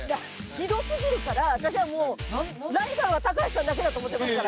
ひどすぎるから私はもうライバルは橋さんだけだと思ってますから。